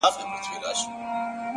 سیاه پوسي ده؛ قندهار نه دی؛